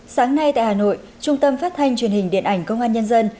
sáng nay tại hà nội trung tâm phát thanh truyền hình điện ảnh công an nhân dân